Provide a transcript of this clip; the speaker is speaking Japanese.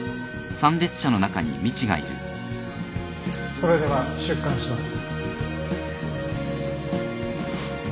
それでは出棺します。